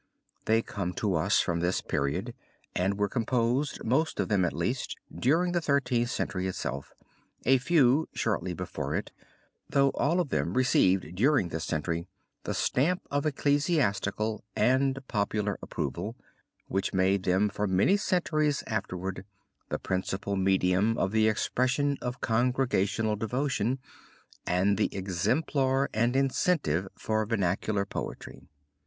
They come to us from this period and were composed, most of them at least, during the Thirteenth Century itself, a few, shortly before it, though all of them received during this century the stamp of ecclesiastical and popular approval, which made them for many centuries afterward the principal medium of the expression of congregational devotion and the exemplar and incentive for vernacular poetry.